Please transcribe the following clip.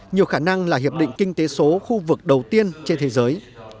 nhiều khả năng là hiệp định kinh tế số khu vực đầu tiên trên thế giới